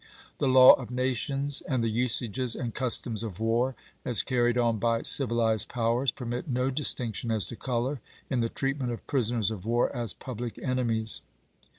The law of nations and the usages and customs of war, as carried on by civilized powers, permit no distinction as to color in the treatment of pris oners of war as public enemies.